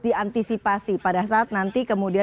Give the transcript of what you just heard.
diantisipasi pada saat nanti